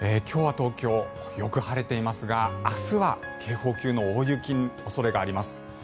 今日は東京、よく晴れていますが明日は警報級の大雪の恐れがあります。